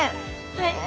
はい。